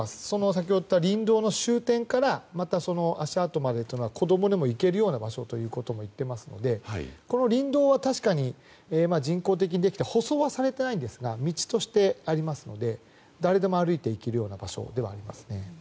先ほど言った林道の終点から足跡までというのは子供でも行けるような場所ということも言っていますので、この林道は確かに人工的にできていて舗装はされていないんですが道としてありますので誰でも歩いて行ける場所ではあります。